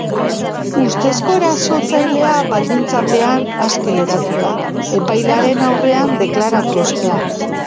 Ustezko erasotzailea baldintzapean aske geratu da epailearen aurrean deklaratu ostean.